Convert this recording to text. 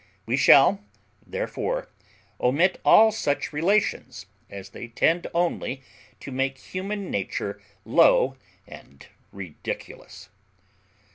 We shall therefore omit all such relations, as they tend only to make human nature low and ridiculous.